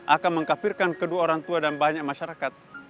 akan mengkapirkan kedua orang tua dan banyak masyarakat